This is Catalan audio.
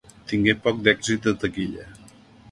Tingué poc d'èxit de taquilla.